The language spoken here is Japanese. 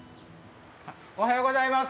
おはようございます。